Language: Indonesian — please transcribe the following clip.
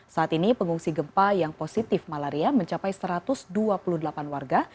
saat ini pengungsi gempa yang positif malaria mencapai satu ratus dua puluh delapan warga